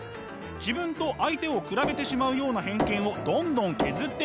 自分と相手を比べてしまうような偏見をどんどん削っていきます。